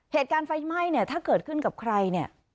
เหตุการณ์ไฟไหม้เนี่ยถ้าเกิดขึ้นกับใครเนี่ย